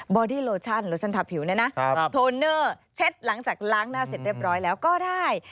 อดี้โลชั่นโลชั่นทาผิวเนี่ยนะโทเนอร์เช็ดหลังจากล้างหน้าเสร็จเรียบร้อยแล้วก็ได้